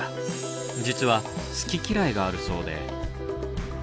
実は好き嫌いがあるそうで。